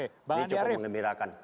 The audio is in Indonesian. ini cukup mengembirakan